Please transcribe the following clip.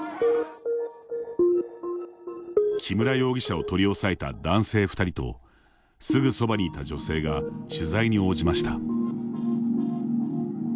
木村容疑者を取り押さえた男性２人とすぐそばにいた女性が取材に応じました。